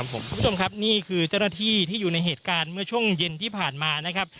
คุณผู้ชมครับนี่คือเจ้าหน้าที่ที่อยู่ในเหตุการณ์เมื่อช่วงเย็นที่ผ่านมานะครับ